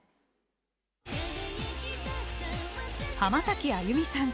浜崎あゆみさん。